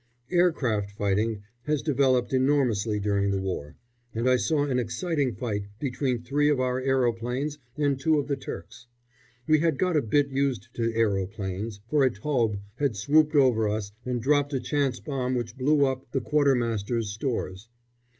Aircraft fighting has developed enormously during the war, and I saw an exciting fight between three of our aeroplanes and two of the Turks. We had got a bit used to aeroplanes, for a Taube had swooped over us and dropped a chance bomb which blew up the quartermaster's stores.